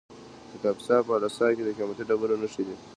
د کاپیسا په اله سای کې د قیمتي ډبرو نښې دي.